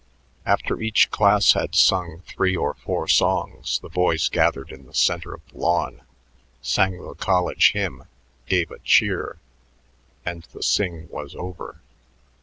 After each class had sung three or four songs, the boys gathered in the center of the lawn, sang the college hymn, gave a cheer, and the sing was over.